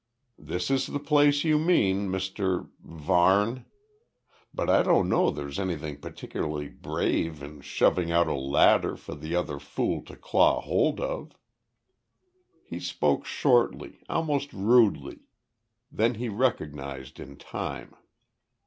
"This is the place you mean, Mr Varne. But I don't know there's anything particularly `brave' in shoving out a ladder for the other fool to claw hold of." He spoke shortly almost rudely. This he recognised in time.